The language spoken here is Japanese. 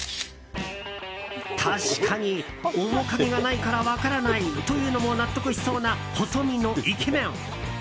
確かに面影がないから分からないというのも納得しそうな細身のイケメン。